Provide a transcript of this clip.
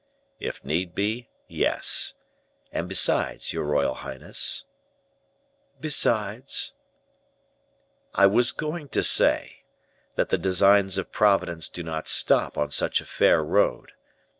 "If need be, yes. And besides, your royal highness " "Besides?" "I was going to say, that the designs of Providence do not stop on such a fair road.